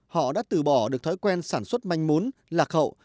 họ đã từ bỏ được thói quen sản xuất manh mốn lạc hậu